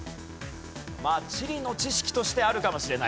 まあ地理の知識としてあるかもしれない。